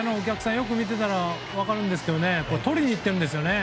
よく見ていたら分かるんですがとりにいっているんですよね。